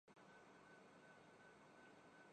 مسئلہ کشمیر کے تمام روایتی حل ناکام ہو چکے ہیں۔